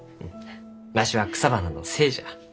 わしは草花の精じゃ。